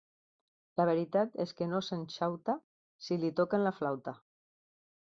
La veritat és que no se'n xauta, si li toquen la flauta.